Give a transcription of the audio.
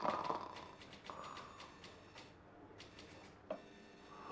iya saya masih sedang membeli